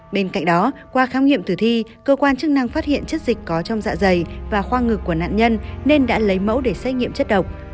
bên cạnh đó qua khám nghiệm tử thi cơ quan chức năng phát hiện chất dịch có trong dạ dày và khoa ngực của nạn nhân nên đã lấy mẫu để xét nghiệm chất độc